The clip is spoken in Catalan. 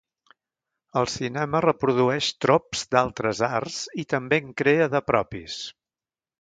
El cinema reprodueix trops d'altres arts i també en crea de propis.